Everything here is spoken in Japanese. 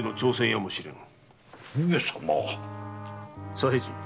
左平次。